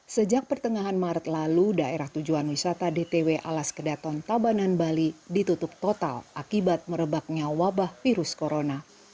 sejak pertengahan maret lalu daerah tujuan wisata dtw alas kedaton tabanan bali ditutup total akibat merebaknya wabah virus corona